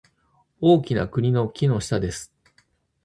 大きな栗の木の下です